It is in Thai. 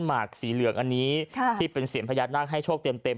หมากสีเหลืองอันนี้ที่เป็นเสียงพญานาคให้โชคเต็มเต็ม